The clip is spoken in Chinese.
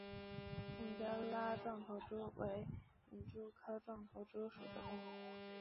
孟加拉壮头蛛为园蛛科壮头蛛属的动物。